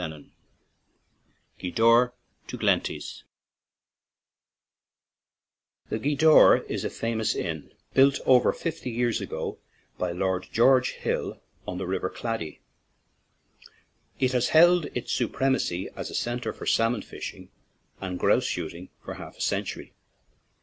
39 GWEEDORE TO GLENTIES THE Gweedore is a famous inn, built over fifty years ago by Lord George Hill on the river Clady ; it has held its supremacy as a centre for salmon fishing and grouse shooting for half a century.